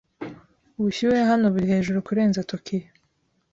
Ubushyuhe hano buri hejuru kurenza Tokiyo.